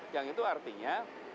yang itu artinya